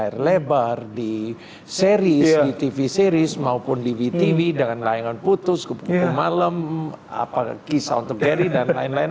di air lebar di seri di tv series maupun di vtv dengan layangan putus kepungku malam kisah untuk gary dan lain lain